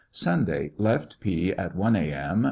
Sunday. Left P at 1 a.m.